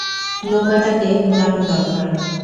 নৌকাটাকে ঘুরানো দরকার।